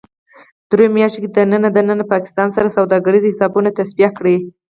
دریو میاشتو کې دننه ـ دننه پاکستان سره سوداګریز حسابونه تصفیه کړئ